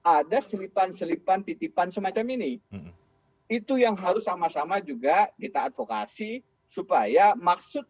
ada selipan selipan titipan semacam ini itu yang harus sama sama juga kita advokasi supaya maksud